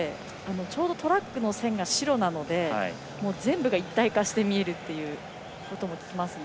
ちょうどトラックの線が白なので全部が一体化して見えるということも聞きますね。